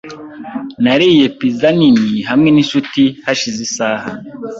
Nariye pizza nini hamwe ninshuti hashize isaha .